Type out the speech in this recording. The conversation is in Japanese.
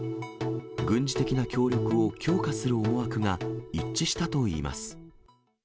軍事的な協力を強化する思惑が一致したといいます。